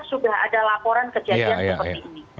sudah ada laporan kejadian seperti ini